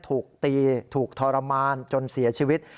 ถูกตีถูกทรมานจนเสียชีวิต